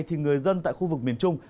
thì người dân tại khu vực miền trung